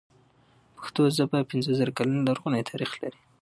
پښتو ژبه پنځه زره کلن لرغونی تاريخ لري.